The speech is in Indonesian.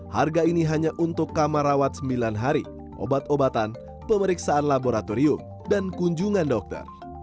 harga ini hanya untuk kamar rawat sembilan hari obat obatan pemeriksaan laboratorium dan kunjungan dokter